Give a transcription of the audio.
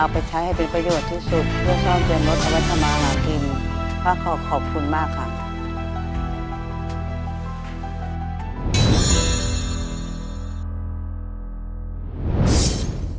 โปรดติดตามตอนต่อไป